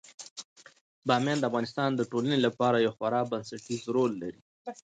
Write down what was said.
بامیان د افغانستان د ټولنې لپاره یو خورا بنسټيز رول لري.